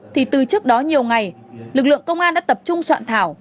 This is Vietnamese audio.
thì từ trước đó nhiều ngày lực lượng công an đã tập trung soạn thảo